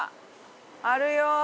あるよ！